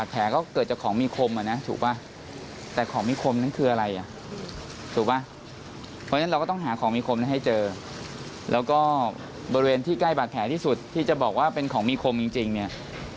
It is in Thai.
แล้วก็บริเวณที่ใกล้บัดแผลที่สุดที่จะบอกว่าเป็นของมีคมจริงเนี่ย